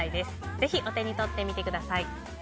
ぜひ、お手に取ってみてください。